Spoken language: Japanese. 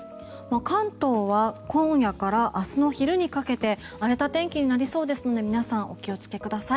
関東は今夜から明日の昼にかけて荒れた天気になりそうですので皆さん、お気をつけください。